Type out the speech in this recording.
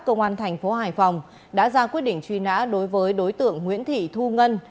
công an thành phố hải phòng đã ra quyết định truy nã đối với đối tượng nguyễn thị thu ngân